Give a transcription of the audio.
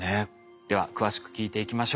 では詳しく聞いていきましょう。